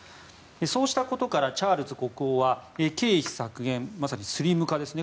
そうしたことからチャールズ国王は経費削減、まさにスリム化ですね